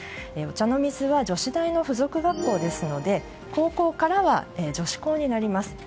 お茶の水は女子大の付属学校ですので高校からは女子高になります。